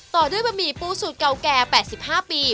ต่อด้วยบะหมี่ปูสูตรเก่าแก่๘๕ปี